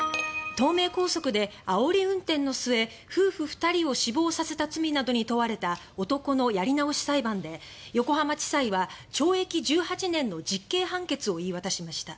東名高速であおり運転の末夫婦２人を死亡させた罪などに問われた男のやり直し裁判で横浜地裁は懲役１８年の実刑判決を言い渡しました。